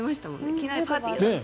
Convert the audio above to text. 機内パーティーだって。